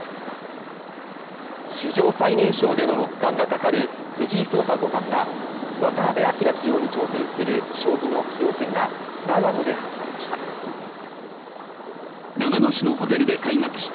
史上最年少での六冠がかかる藤井聡太五冠が、渡辺明棋王に挑戦する将棋の棋王戦が長野で始まりました。